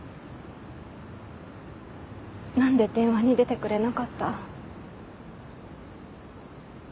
なんで電話に出てくれなかった？